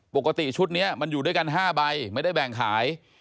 ปกติชุดนี้มันอยู่ด้วยกัน๕ใบไม่ได้แบ่งขาย